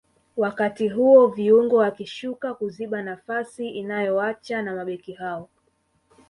wakati huo viungo wakishuka kuziba nafasi inayoacha na mabeki hao